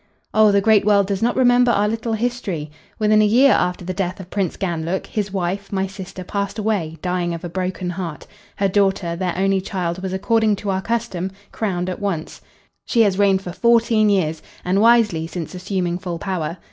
"Oh, the great world does not remember our little history! Within a year after the death of Prince Ganlook, his wife, my sister, passed away, dying of a broken heart. Her daughter, their only child, was, according to our custom, crowned at once. She has reigned for fourteen years, and wisely since assuming full power.